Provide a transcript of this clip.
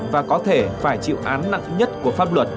và có thể phải chịu án nặng nhất của pháp luật